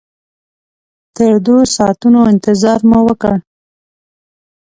تر دوو ساعتونو انتظار مو وکړ.